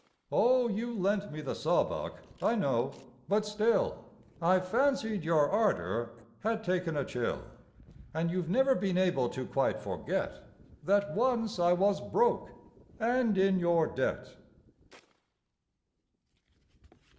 Oh, you lent me the saw buck, I know, but still I fancied your ardor had taken a chill. And you've never been able to quite forget That once I was "broke," and in your debt.